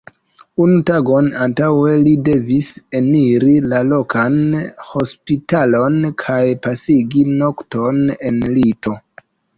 Unu tagon antaŭe li devis eniri la lokan hospitalon kaj pasigi nokton en lito.